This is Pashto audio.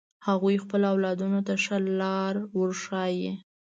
هغوی خپل اولادونو ته ښه لار ورښایی